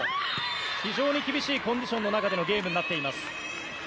非常に厳しいコンディションの中ゲームになっています。